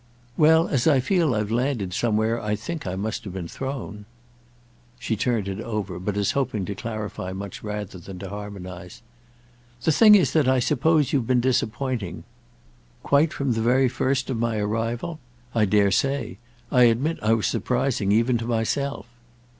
"Well, as I feel I've landed somewhere I think I must have been thrown." She turned it over, but as hoping to clarify much rather than to harmonise. "The thing is that I suppose you've been disappointing—" "Quite from the very first of my arrival? I dare say. I admit I was surprising even to myself."